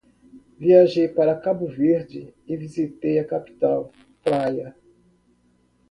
Viajei para Cabo Verde e visitei a capital, Praia.